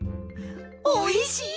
おいしい！